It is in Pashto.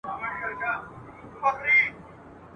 او یوازي په دې لوی کور کي تنهاده !.